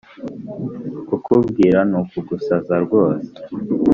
Kukubwira nukugusaza rwose